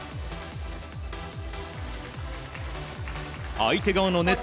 相手側のネット